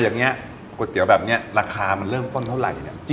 อย่างนี้ก๋วยเตี๋ยวแบบนี้ราคามันเริ่มต้นเท่าไหร่เนี่ย